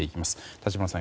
立花さん